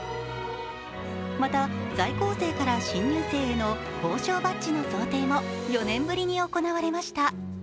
また、在校生から新入生への校章バッジの贈呈も４年ぶりに行われました。